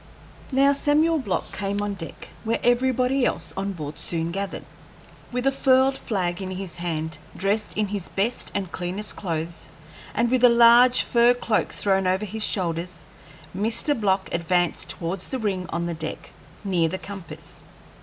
Now Samuel Block came on deck, where everybody else on board soon gathered. With a furled flag in his hand, dressed in his best and cleanest clothes, and with a large fur cloak thrown over his shoulders, Mr Block advanced towards the ring on the deck, near the compass.